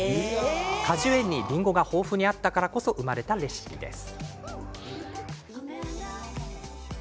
果樹園にりんごが豊富にあったからこそ生まれたレシピです。